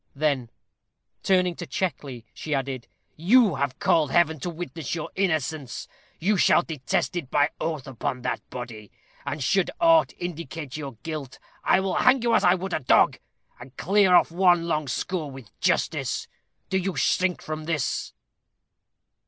Then, turning to Checkley, she added, "You have called Heaven to witness your innocence: you shall attest it by oath upon that body; and should aught indicate your guilt, I will hang you as I would a dog, and clear off one long score with justice. Do you shrink from this?"